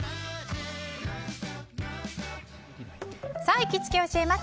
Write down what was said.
行きつけ教えます！